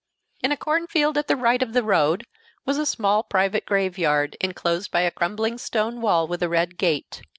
In a cornfield at the right of the road was a small private graveyard, inclosed by a crumbling stone wall with a red gate.